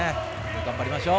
頑張りましょう。